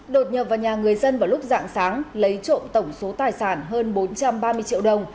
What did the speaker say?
đột nhập vào nhà người dân vào lúc dạng sáng lấy trộm tổng số tài sản hơn bốn trăm ba mươi triệu đồng